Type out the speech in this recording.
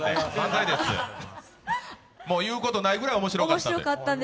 もう言うことないくらい面白かったと。